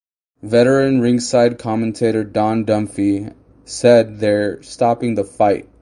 Veteran ringside commentator Don Dunphy said They're stopping the fight.